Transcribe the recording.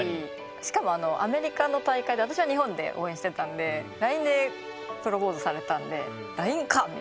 しかもアメリカの大会で私は日本で応援してたんでＬＩＮＥでプロポーズされたんでＬＩＮＥかっ！